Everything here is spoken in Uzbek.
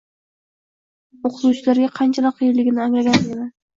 O‘qituvchilarga qanchalar qiyinligini anglagandayman.